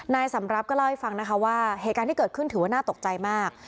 นายสำรับก็เล่าให้ฟังนะคะว่าเหตุการณ์ที่เกิดขึ้นถือว่าน่าตกใจมาก